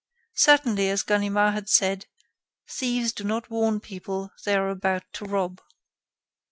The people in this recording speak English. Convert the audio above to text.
Certainly, as Ganimard had said, thieves do not warn people they are about to rob.